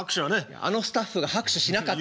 あのスタッフが拍手しなかった。